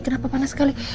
kenapa panas sekali